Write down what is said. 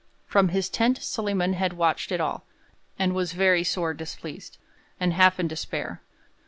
From his tent Solyman had watched it all, and 'was very sore displeased, and half in despair.'